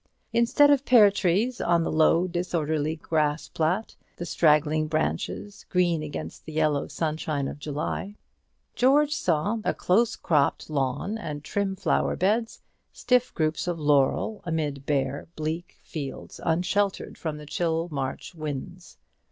Instead of the pear trees on the low disorderly grass plat, the straggling branches green against the yellow sunshine of July, George saw a close cropped lawn and trim flower beds, stiff groups of laurel, amid bare bleak fields unsheltered from the chill March winds.